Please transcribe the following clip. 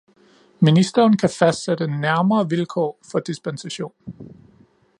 Ministeren kan fastsætte nærmere vilkår for dispensation